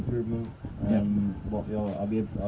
seperti yang saya katakan ada ruang untuk perbaikan